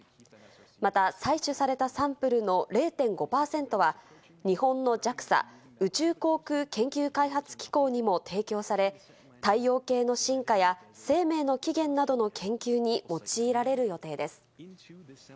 また採取されたサンプルの０．５％は日本のＪＡＸＡ＝宇宙航空研究開発機構にも提供され、太陽系の進化や生命の起源などの研究に用いられる予定です。